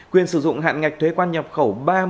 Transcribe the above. quyền sử dụng hạn ngạch thuế quan nhập khẩu